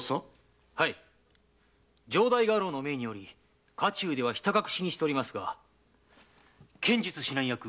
城代家老の命により家中ではひた隠しにしておりますが剣術指南役・